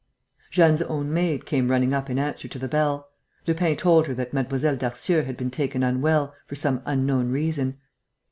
Jeanne's own maid came running up in answer to the bell. Lupin told her that Mlle. Darcieux had been taken unwell, for some unknown reason.